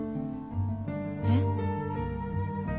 えっ。